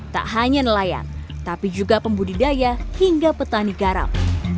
tak hanya nelayan tapi juga pembudidaya hingga petani garam